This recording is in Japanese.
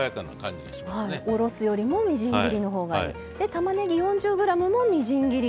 たまねぎ４０ｇもみじん切り。